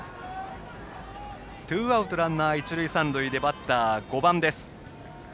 ツーアウトランナー一塁三塁でバッター、５番です。